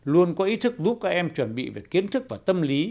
luôn có ý thức giúp các em chuẩn bị về kiến thức và tâm lý